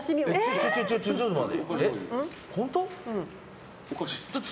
ちょっと待って！